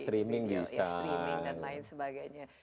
streaming dan lain sebagainya